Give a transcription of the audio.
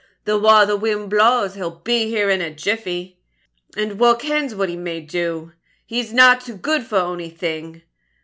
"The wa the wind blaws he'll be here in a jiffie, and wha kens what he may do! He's nae too good for ony thing.